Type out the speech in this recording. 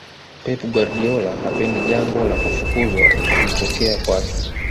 pep guardiola hapendi jambo la kufukuzwa litokea kwake